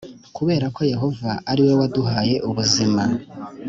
Kubera ko Yehova ari we waduhaye ubuzima